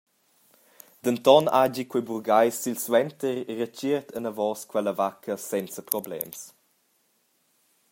Denton hagi quei burgheis silsuenter retschiert anavos quella vacca senza problems.